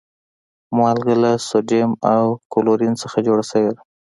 مالګه له سودیم او کلورین څخه جوړه شوی ده